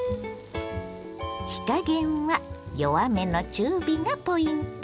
火加減は弱めの中火がポイント。